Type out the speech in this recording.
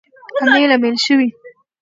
امیل، امیل شوی